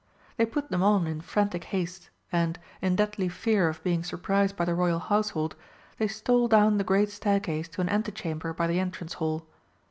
They put them on in frantic haste, and, in deadly fear of being surprised by the Royal Household, they stole down the great Staircase to an antechamber by the Entrance Hall.